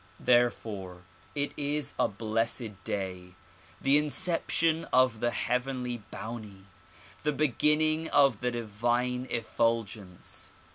Therefore it is a blessed day, the inception of the heavenly bounty, the beginning of the divine effulgence.